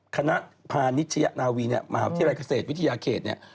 คณะภานิชยานาวีมหาวิทยาลัยเกษตรวิทยาเขต